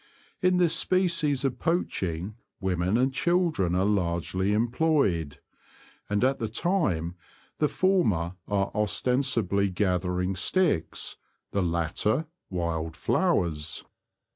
In this species of poaching women and children are largely employed, and at the time the former are os tensibly gathering sticks, the latter wild flowers.